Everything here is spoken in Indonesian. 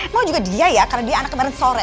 mau juga dia ya karena dia anak kemarin sore